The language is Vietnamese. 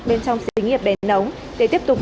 bên trong xí nghiệp đèn ống để tiếp tục